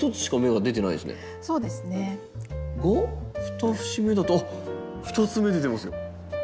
が２節目だと２つ芽出てますよ。